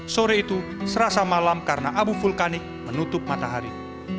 sore itu serasa malam karena abu vulkanik menutup matahari